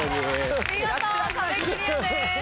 見事壁クリアです。